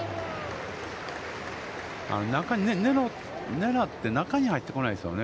狙って、中に入らないですよね。